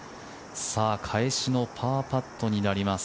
返しのパーパットになります。